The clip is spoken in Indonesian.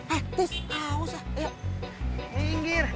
eh tis ah usah